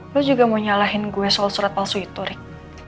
gue juga mau nyalahin gue soal surat palsu itu deh